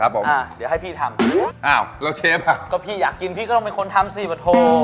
โหเรียบร้